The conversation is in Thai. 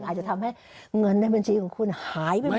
อาจจะทำให้เงินในบัญชีของคุณหายไปเลย